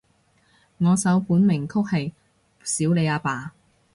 我首本名曲係少理阿爸